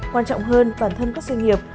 quan trọng hơn bản thân các doanh nghiệp